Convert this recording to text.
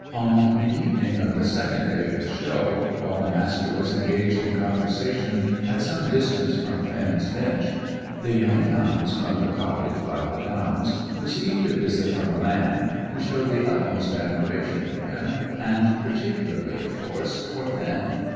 On the evening of the second day of the Show, while the Master was engaged in conversation at some distance from Finn's bench, the young hounds from the cottage by the Downs received a visit from a man who showed the utmost admiration for them, and particularly, of course, for Finn.